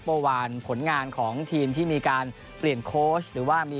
โปวารผลงานของทีมที่มีการเปลี่ยนโค้ช